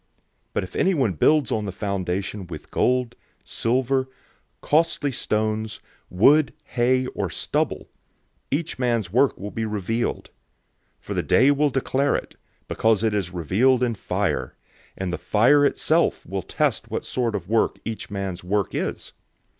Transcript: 003:012 But if anyone builds on the foundation with gold, silver, costly stones, wood, hay, or stubble; 003:013 each man's work will be revealed. For the Day will declare it, because it is revealed in fire; and the fire itself will test what sort of work each man's work is.